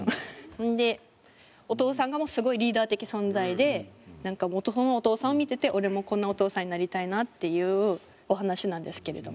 それでお父さんがすごいリーダー的存在でこのお父さんを見てて俺もこんなお父さんになりたいなっていうお話なんですけれども。